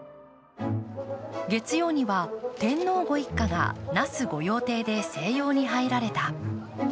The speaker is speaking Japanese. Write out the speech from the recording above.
月曜には、天皇ご一家が那須御用邸で静養に入られた。